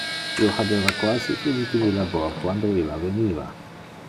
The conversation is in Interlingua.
Io habeva quasi finite mi labor quando illa veniva.